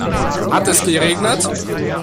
Hat es geregnet?